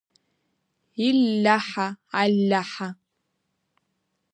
Иль-льаҳа, аль-льаҳа!